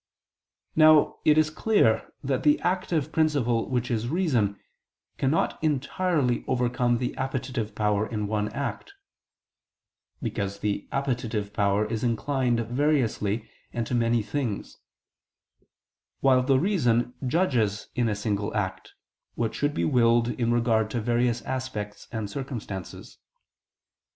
Now it is clear that the active principle which is reason, cannot entirely overcome the appetitive power in one act: because the appetitive power is inclined variously, and to many things; while the reason judges in a single act, what should be willed in regard to various aspects and circumstances.